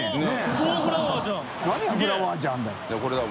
燭「フラワーじゃん」だよ。